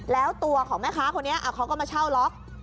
แล้วตัวของแม่ค้าคนนี้เขาก็มาเช่าล็อก